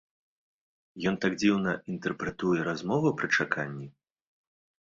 Ён так дзіўна інтэрпрэтуе размову пры чаканні.